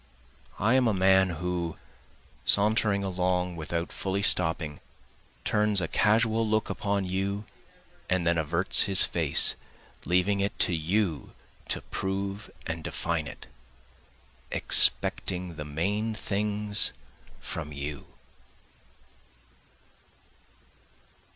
I am a man who, sauntering along without fully stopping, turns a casual look upon you and then averts his face, Leaving it to you to prove and define it, Expecting the main things from you.